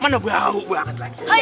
mana bau banget lagi